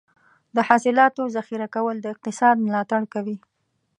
د حاصلاتو ذخیره کول د اقتصاد ملاتړ کوي.